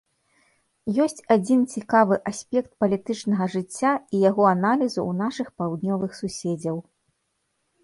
Ёсць адзін цікавы аспект палітычнага жыцця і яго аналізу ў нашых паўднёвых суседзяў.